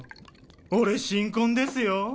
俺新婚ですよ。